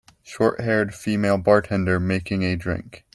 Shorthaired female bartender making a drink.